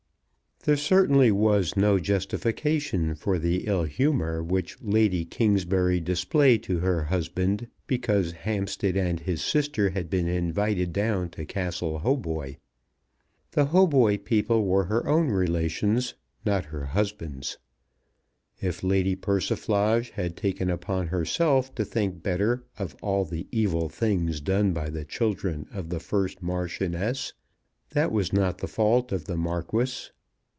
There certainly was no justification for the ill humour which Lady Kingsbury displayed to her husband because Hampstead and his sister had been invited down to Castle Hautboy. The Hautboy people were her own relations, not her husband's. If Lady Persiflage had taken upon herself to think better of all the evil things done by the children of the first Marchioness, that was not the fault of the Marquis!